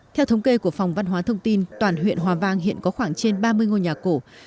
theo thống kê của phòng văn hóa thông tin toàn huyện hòa vang hiện có khoảng trên ba mươi ngôi nhà cổ